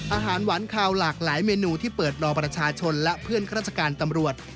อาหารหวานคาวหลากหลายเมนูที่เปิดรอประชาชนและเพื่อนข้าราชการตำรวจ